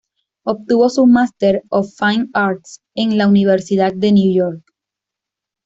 Obtuvo su Master of Fine Arts en la universidad de New York.